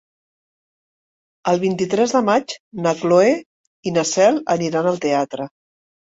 El vint-i-tres de maig na Cloè i na Cel aniran al teatre.